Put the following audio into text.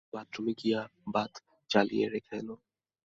বাথরুমে গিয়ে বাত জ্বালিয়ে রেখে এল।